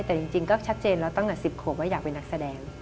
แต่จริงก็ชัดเจนแล้วตั้งแต่๑๐ขวบว่าอยากเป็นนักแสดง